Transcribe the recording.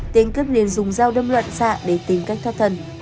tên cướp nên dùng dao đâm loạn xạ để tìm cách thoát thân